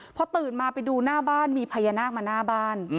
พอตื่นมาไปดูหน้าบ้านมีพญานาคมาหน้าบ้าน